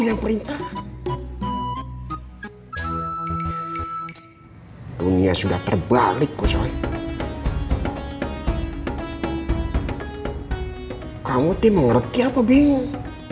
yang perintah dunia sudah terbalik kushoi kamu tim mengerti apa bingung